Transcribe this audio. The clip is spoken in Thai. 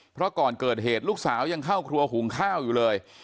เพราะก่อนเกิดเหตุลูกสาวยังเข้าครัวหุงข้าวอยู่เลย